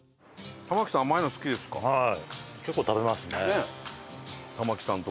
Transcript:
はい。